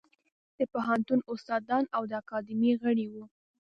د پوهنتون استادان او د اکاډمۍ غړي وو.